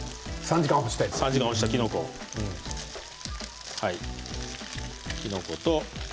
３時間干したきのこと。